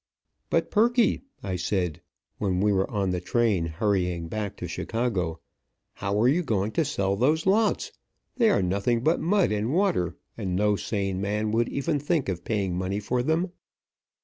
"But, Perky," I said, when we were on the train hurrying back to Chicago, "how are you going to sell those lots? They are nothing but mud and water, and no sane man would even think of paying money for them.